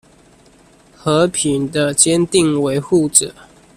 和平的堅定維護者